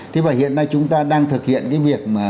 thế và hiện nay chúng ta đang thực hiện cái việc mà